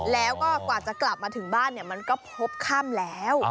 แล้วก็กว่าจะกลับมาถึงบ้านมันก็พบค่ำแล้ว